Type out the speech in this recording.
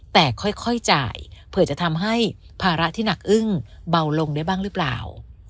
แต่ค่อยจ่ายเผื่อจะทำให้ภาระที่หนักอึ้งเบาลงได้บ้างหรือเปล่า